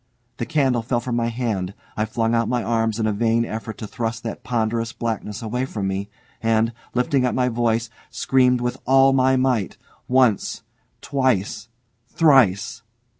The candle fell from my hand. I flung out my arms in a vain effort to thrust that ponderous blackness away from me, and, lifting up my voice, screamed with all my might once, twice, thrice.